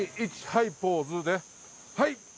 はい！